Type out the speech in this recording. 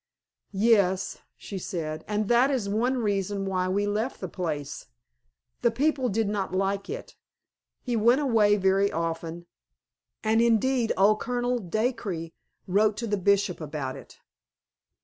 "Yes," she said; "and that is one reason why we left the place. The people did not like it. He went away very often; and, indeed, old Colonel Dacre wrote to the Bishop about it."